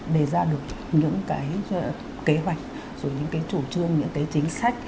để ra được những cái kế hoạch rồi những cái chủ trương những cái chính sách